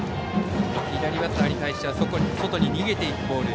左バッターに対しては外に逃げていくボール。